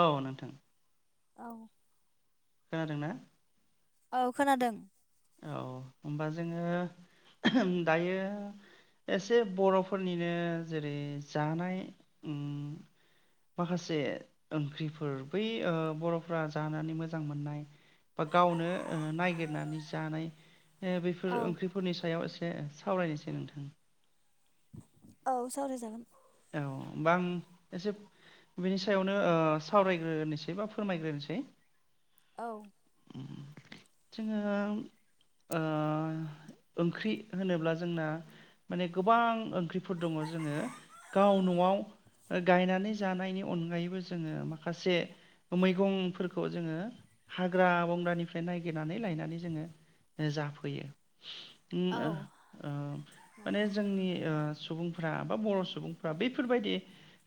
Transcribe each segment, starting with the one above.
औ नोंथां औ खोनादों ना? औ खोनादों औ होमबा जोङो दायो एसे बर'फोरनिनो जेरै जानाय उम माखासे ओ ओंख्रिफोर बै ओ बर'फोरा जानानै मोजां मोननाय बा गावनो नागिरनानै जानाय बेफोर औ ओंख्रिफोरनि सायाव ए से सावरायनोसै नोंथां औ सावराय जागोन औ होमबा आं एसे बिनि सायावनो सावरायग्रोनोसै बा फोरमायग्रोनोसै औ जोङो ओ ओंख्रि होनोब्ला जोंना माने गोबां ओंख्रिफोर दङ जोङो गाव न'आव गायनानै जानायनि अनगायैबो जोङो माखासे मैगंफोरखौ जोङो हाग्रा बंग्रानिफ्राय ननायागिरनानै लायनानै जोङो जाफैयो उ ओ औ ओ माने नंगौ जोंनि ओ सु बुंफ्रा बा बर' सुबुं फ्रा बैफोरबायदि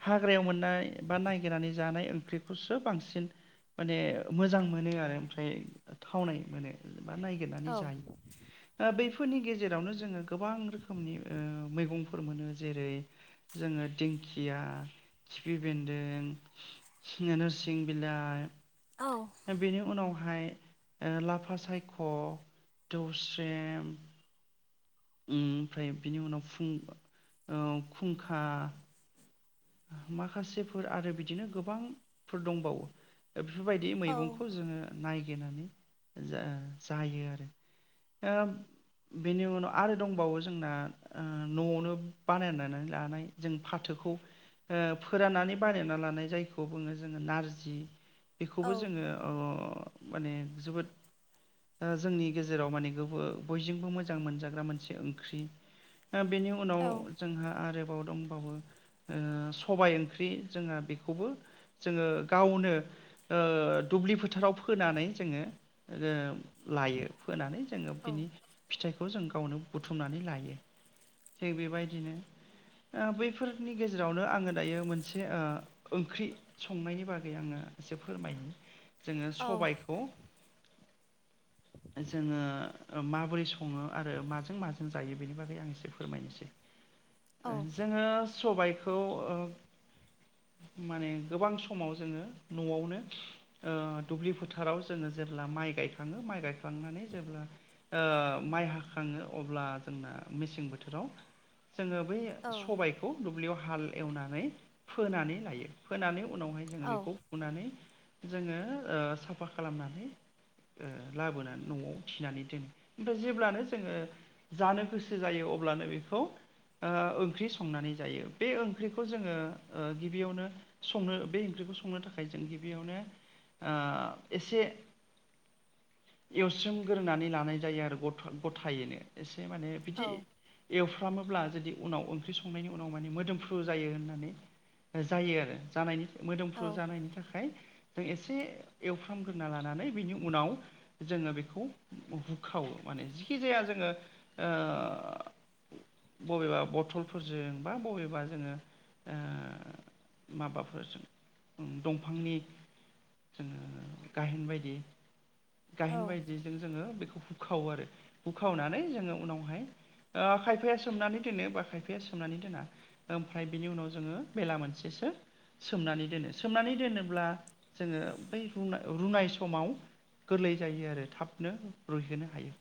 हाग्रायाव मोननाय बा नायगिरनानै जानाय ओंख्रिखौसो बांसिन माने मोजां मोनो आरो ओमफ्राय थावनाय मोनो बा नायगिरनानै जायो ओ बै फोरनि गेजेरावनो जोङो गोबां रोखोमनि ओ मैगंफोर मोनो जेरै जोङो दिंखिया खिफि बेन्दों नोरसिं बिलाइ औ बेनि उनाव फ्राय ओ लाफा सायख', दौस्रेम उम ओमफ्राय बिनि उनाव फुं ओ खुंखा माखासेफोर आरो बिदिनो गोबांफोर दंबावो। दा बेफोरबायदि औ मैगंखौ जोङो नाय गिरनानै जा-जायो आरो दा बेनि उनाव आरो दंबावो जोंना ओ न'आवनो बानायनानै लानाय जों फाथोखौ ओ फोराननानै बानायना लानाय जायखौ बुङो जोङो नारजि। बेखौबो औ जोङो अ माने जोबोद ओ जोंनि गेजेराव माने गोबो बयजोंबो मोजां मोनजाग्रा मोनसे ओंख्रि। ओ बेनि उनाव औ जोंहा आरोबाव दंबावो ओ सबाय ओंख्रि जोंहा बेखौबो जोङो गावनो ओ दुब्लि फोथाराव फोनानै जोङो ओ लायो फोनानै। जोङो बिनि फिथाइखौ जों गावनो बुथुमनानै लायो थिग बेबायदिनो ओ बैफोरनि गेजेरावनो आङो दायो मोनसे ओ ओंख्रि संनायनि बागै आङो एसे फोरमायनो। जोङो सबायखौ जोङो ओ माबोरै सङो आरो माजों माजों जायो बेनि बागै आं एसे फोरमायनोसै। औ ओ जोङो सबायख खौ ओ माने गोबां समाव जोङो न'आवनो ओ दुब्लि फोथाराव जोङो जेब्ला माइ गायखाङो माइ गायखांनानै जेब्ला ओ माइ हाखाङो अब्ला जोंना मेसें बोथोराव जोङो बै सबायखौ दुब्लियाव ह हाल एवनानै फोनानै लायो। फोनानै उनावहाय जोङो बेखौ औ फुनानै जोङो ओ साफ्फा खालामनानै ओ लाबोनानै न'आव थिनानै दोनो ओमफ्राय जेब्लानो जोङो जानो गोसो जायो अब्लानो बेखौ ओ ओंख्रि संनानै जायो। बे ओंख्रिखौ जोङो ओ गिबियावनो संनो बे ओंख्रिखौ संनो थाखाय जों गिबियावनो ओ एसे एवस्रोम ग्रोनानै लानाय जायो आरो गथ' गथायैनो एस से माने बिदि एवफ्र फ्रामोब्ला जुदि उनाव ओंख्रि संनायनि उनाव माने मोदोमफ्रु जायो होननानै जायो आरो जानायनि मोदोमफ्रु औ जानायनि थाखाय जों एसे एवफ्रामगोरना लानानै बिनि उनाव जोङो बेखौ बुखावो माने जिखि जाया जोङो ओ बबेबा बथलफोरजों बा बबेबा जोङो ओ माबाफोरजों ओं दंफांनि जोङो गाहेन बायदि गाहेन औ औ बायदिजों जोङो बेखौ बुखावो आरो बुखावनानै जोङो उनावहाय ओ खायफाया सोमनानै दोनो बा खायफाया सोमनानै दोना ओमफ्राय बिनि उनाव ज जोङो बेला मोनसेसो सोमनानै दोनो सोमनानै दोनोब्ला जोङो बैु रुना-रुनाय समाव गोरलै जायो आरो थाबनो रुइहोनो हायो।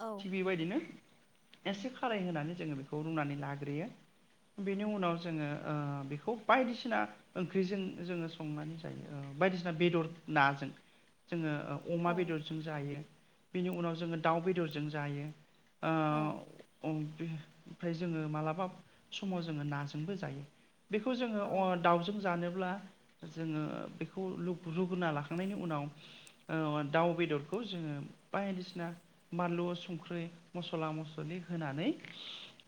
औ थिग बेबादिनो एसे खारै होनानै जोङो बेखौ रुनानै लाग्रोयो बेनि उनाव ज जोङो ओ बेखौ बायदिसिना ओंख्रिजों जोङो संनानै जायो ओ बायदिसिना बेदर नाजों जोङो ओ अमा बेदरजों जायो। बेनि उनाव जोङो दाउ बेदरजों जायो। ओ अ उम ओमफ्राय जोङो मालाबा समाव जोङो नाज जोंबो जायो बेखौ जोङो अ दाउजों जानोब्ला जोङो बेखौ रुगुना लाखांनायनि उनाव ओ दाउ बेदरखौ जोङो बायदिसिना बानलु संख्रि मस्ला मस्लि होनानै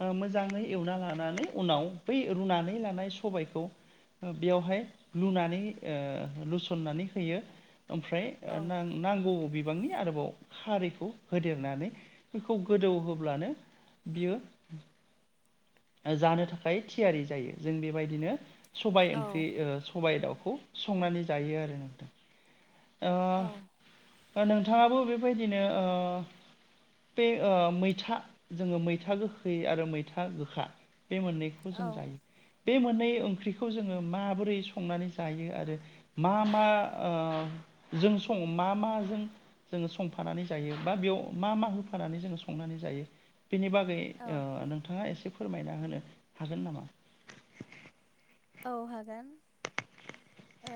ओ मोजाङै एवना लानानै उनाव बै रुनानै लानाय सबायखौ बेयावहाय लुनानै ओ लुसननानै होयो। ओमफ्राय ओ नांगौ बिबांनि आरोबाव खारैखौ होदेरनानै बेखौ गोदौ होब्लानो बियो जानो थाखाय थियारि जायो जों बेबायदिनो। सबाय ओंख्रि ओ सबायाइ दाउ। खौ संनानै जायो आरो नोंथां। ओ औ बा नोथां नोथाङाबो बेबायदिनो ओ बै ओ मैथा जोङो मैथा गोखै आरो मैथा गोखा बे मोननैखौ जों जायो बे मोननै बे ओंख्रिखौ जोङो माबोरै संनानै जायो आरो मा मा ओ जों सं मा मा जों जोङो संफानानै जायो बा बेयाव मा मा होफानानै जोङो संनानै जायो? बेनि बागै औ ओ नोंथाङा एसे फोरमायना होनो हागोन नामा? औ हागोन ओ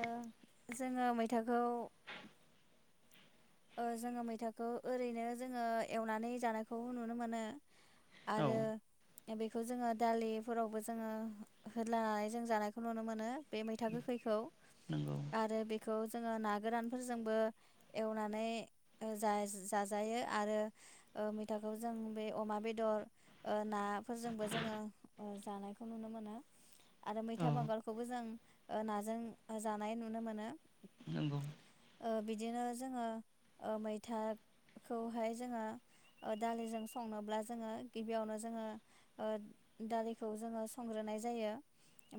जोङो मैथाखौ ओ जोङो मैथाखौ ओरैनो जोङो एवनानै जानायखौ नुनो मोनो। औ आरो बेखौ जोङो दालिफोरावबो जोङो होदलानानै जों जानायखौ नुनो मोनो बे मैथा गोखैखौ नंगौ आरो बे खौ जोङो ना गोरानफोरजोंबो एवनानै नै ओ जा जायो आरो ओ मैथाखौ जों बे अमा बेदर ओ नाफोरजोंबो जोङो जानायखौ नुनो मोनो। आरो औ मैथा बांगालखौबो जों ओ नाजों जानाय नुनो मोनो। नंगौ। ओ बिदिनो जोङो ओ मैथाखौहाय जोङो ओ दालिजों संनोब्ला जोङो गिबियावनो जोङो ओ दालिखौ जोङो संग्रोनाय जायो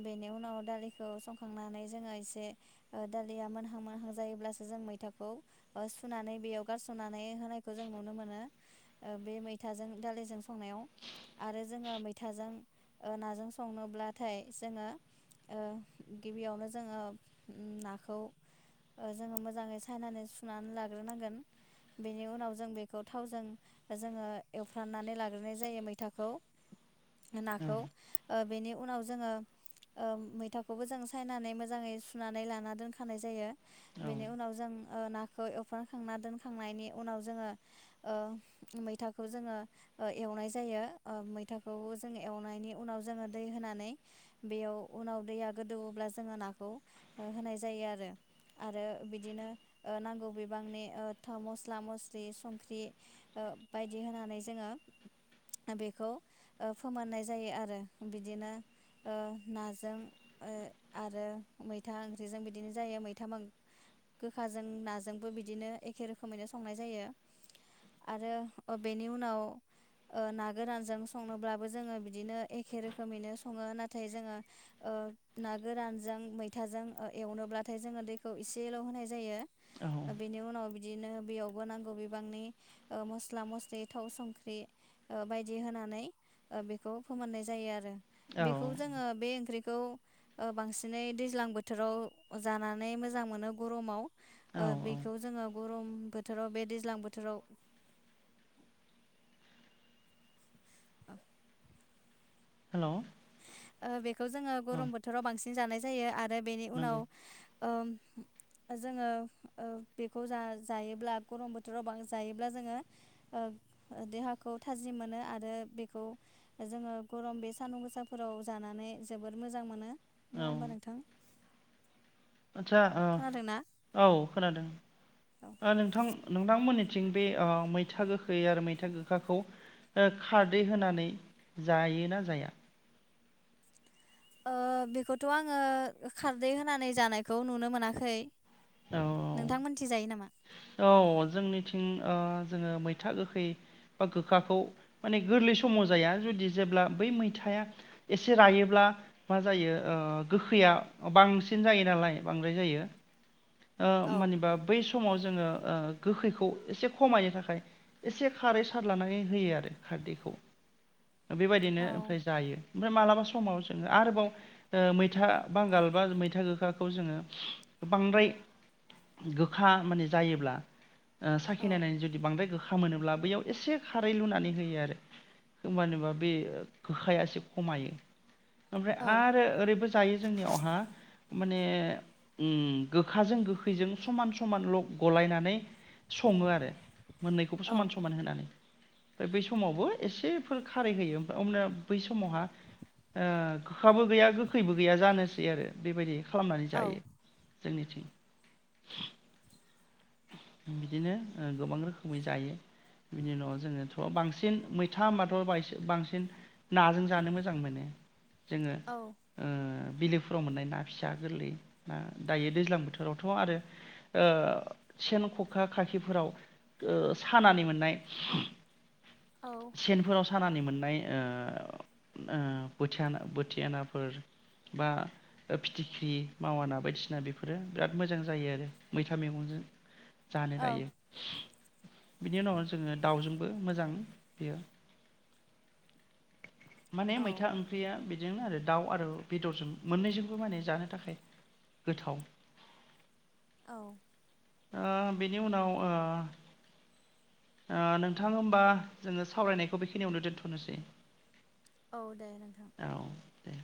बेनि उनाव दालिखौ संखांनानै जोङो एसे ओ दालिया मोनहां मोनहां जायोब्लासो जों मैथाखौ ओ सुनानै बेयाव गारस'नानै होनायखौ जों नुनो मोनो ओ बे मैथाजों दालिजों संनायाव आरो जोङो मैथाजों ओ नाजों संनोब्लाथाय जोङो ओ गिबियावनो जोङो नाखौ ओ जोङो मोजाङै सायनानै सुनानै लाग्रोनांगोन बेनि उनाव जों बेखौ थावजों जोङो एवफ्राननानै लाग्रोनाय जायो मैथाखौ। औ नाखौ ओ बेनि उनाव जोङो ओ मैथाखौबो जों सायनानै मोजाङै सुनानै लाना दोनखानाय जायो। औ बेनि उनाव जों ओ ना खौ एवफ्राम खांना दोनखांनायनि उनाव जोङो ओ मैथाखौ जोङो ओ एवनाय जायो ओ मैथाखौ जोङो एवनायनि उनाव जोङो दै होनानै बेयाव उनाव दैया गोदौवोब्ला जोङो नाखौ ओ होनाय जायो आरो आरो बिदिनो ओ नांगौ नांगौ बिबांनि ओ थाव मसला मसलि संख्रि ओ बायदि होनानै जोंङो ओ बेखौ ओ फोमोननाय जायो आरो‌ बिदिनो ओ नाजों ओ आरो मैथा ओंख्रिजों बिदिनो जायो मैथा बांगाल गोखाजों नाजों जोंबो बिदिनो एखे रोखोमैनो संनाय जायो आरो ओ बेनि उनाव ओ ना गोरानजों संनोब्लाबो जोङो बिदिनो एखे रोखोमैनो सङो नाथाय जोङो ओ ना गोरानजों मैथाजों ओ एवनोब्लाथाय जोङो दैखौ एसेल' होनाय जायो। औ ओ बेनि उनाव बिदिनो बेयावबो नांगौ बिबांनि ओ मस्ला मस्लि थाव संख्रि ओ बायदि होनानै ओ बेखौ फोमोननाय जायो आरो। औ बेखौ जोङो बे ओंख्रि खौ ओ‌ बांसिनै दैज्लां बोथोराव जानानै मोजां मोनो गरमाव। औ औ याव गरम बोथोराव बे दैज्लां बोथोराव [inaudible] हेल'। ओ बे खौ जोङो औ गरम बोथोराव बांसिन जानाय जायो आ रो बेनि नंगौ उनाव ओ जोङो ओ बेखौ जा-जायोब्ला गरम बोथोरावबां जायोब्ला जोङो ओ ओ देहाखौ थाजिम मोनो आरो बेखौ जोङो गरम बे सान्दुं गोसा फोराव जानानै जोबोद मोजां मोनो औ नङा होमबा नोंथां? आदसा उ खोनादोंना औ खोनादों औ ओ नोंथां नोंथांमोननिथिं बे ओ मैथा गोखै आरो मैथा गोखाखौ ओ खारदै होनानै जायो ना जाया ओ बेखौथ' आङो खारदै होनानै जानायखौ नुनो मोनाखै औ नोंथां मोननिथिं जायो नामा? औ जोंनिथिं ओ जोंङो मैथा गोखै बा गोखाखौ माने गोरलै समाव जाया जुदि जेब्ला बै मैथाया एसे रायोब्ला मा जायो ओ गोखैया बांसिन जायो नालाय बांद्राय जायो ओ औ ओमबानिबा बै समाव जोङो ओ गोखैखौ एसे खमायनो थाखाय एसे खारै सारलानानै होयो आरो खारदैखौ बेबायदिनो औ ओमफ्राय जायो ओमफ्राय मालाबा समाव जोङो आरोबाव ओ मैथा बांगाल बा मैथा गोखाखौ जोङो बांद्राय गोखा माने जायोब्ला ओ औ साखिनायनानै जुदि बांद्राय गोखा खा मोनोब्ला बैयाव एसे खारै लुनानै होयो आरो होमबानोबा बे ओ गोखाया एसे खमायो ओमफ्राय औ आरो ओरैबो जायो जोंनियावहा माने ‌उम गोखाजों गोखैजों समान समान लक गलायनानै सङो आरो मोननैखौबो समान औ समान होनानै फाय बै समावबो एसेफोर खारै होयो ओमफ्राय हमना बै समावहा ओ गोखाबो गैया गोखैबो गैया जानोसै आरो बेबायदि खालामनानै औ जायो जोंनिथिं बिदिनो ओ गोबां रोखोमै जायो बिनि उनाव जोंङोथ' बांसिन मैथा होनबाथ' बांसि-बांसिन नाजों जानो मोजां मोनो। जोंङो औ ओ बिलोफोराव मोननाय ना फिसा गोरलै ओ दायो दैज्लां बोथोरावथ' आरो ओ सेन ख'खा खाखिफोराव ओ सानानै मोननाय औ सेनफोराव सानानै मोन नाय ओ ओ बोथियाना बोथियानाफोर बा फिथिख्रि मावाना बायदिसिना बेफोरो बिराद मोजां जायो आरो मैथा मैगंजों जानो औ दायो बिनि उनाव जोंङो दाउजोंबो मोजां बेयो। माने औ मैथा ओंख्रिया बि जों दाउ आरो बेदरजों मोननैजोंबो माने जानो थाखाय गोथाव। औ ओ बेनि उनाव ओ ओ नोंथां होमबा जोंङो सावरायनायखौ बेखिनियावनो दोनथ'नोसै। औ दे नोंथां। औ दे